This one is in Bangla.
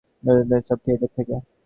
ব্রডওয়ের সব থিয়েটারের থেকে।